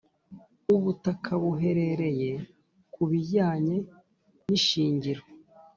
Ubutaka buherereye ku bijyanye n ishingiro